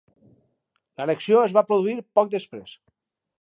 L'annexió es va produir poc després.